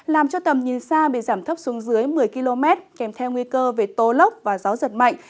làm cho tầm nhìn xa bị giảm thấp xuống dưới một mươi km kèm theo nguy cơ về tố lốc và gió giật mạnh